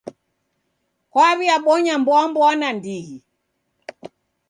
Kwaw'iabonya mboamboa nandighi.